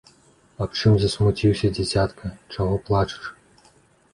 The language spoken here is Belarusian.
Аб чым засмуціўся, дзіцятка, чаго плачаш?